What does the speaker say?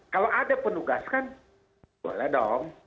kalau ada penugasan boleh dong